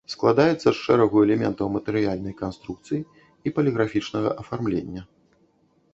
Складаецца з шэрагу элементаў матэрыяльнай канструкцыі і паліграфічнага афармлення.